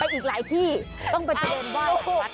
ไปอีกหลายที่ต้องประเทศบ้าน